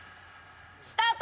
スタート！